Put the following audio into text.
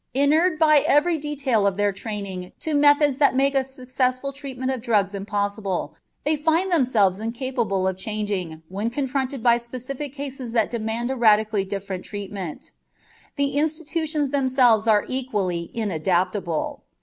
Inured by every detail of their training to methods that make a successful treatment of drugs impossible, they find themselves incapable of changing when confronted by specific cases that demand a radically different treatment. The institutions themselves are equally inadaptable.